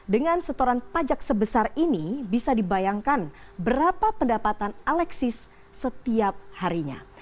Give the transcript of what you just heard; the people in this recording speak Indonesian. dengan setoran pajak sebesar ini bisa dibayangkan berapa pendapatan alexis setiap harinya